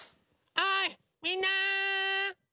おいみんな！